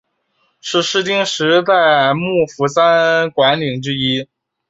是室町时代幕府三管领之一。